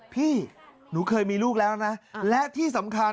พี่หนูเคยมีลูกแล้วนะและที่สำคัญ